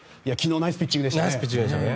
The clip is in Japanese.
ナイスピッチングでしたね。